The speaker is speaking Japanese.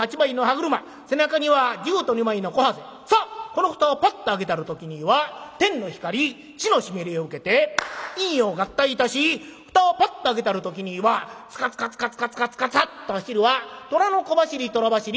さあこの蓋をパッと開けたる時には天の光地の湿りを受けて陰陽合体いたし蓋をパッと開けたる時にはツカツカツカツカツカツカツッと走るは虎の小走り虎走り